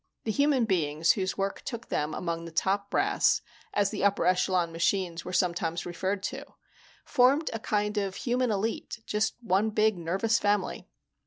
The human beings whose work took them among the Top Brass, as the upper echelon machines were sometimes referred to, formed a kind of human elite, just one big nervous family.